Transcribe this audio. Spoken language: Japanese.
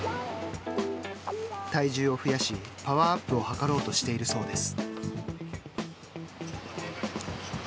体重を増やしパワーアップを図ろうとしているそうです。